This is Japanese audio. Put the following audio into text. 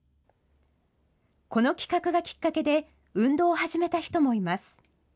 この企画がきっかけで運動を始めた人もいます。